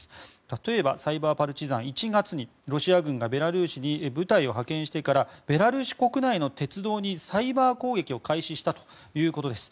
例えば、サイバー・パルチザン１月にロシア軍がベラルーシに部隊を派遣してからベラルーシ国内の鉄道にサイバー攻撃を開始したということです。